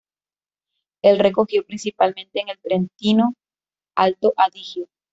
Él recogió principalmente en el Trentino-Alto Adigio.